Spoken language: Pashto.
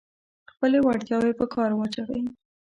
خپلې وړتیاوې په کار واچوئ.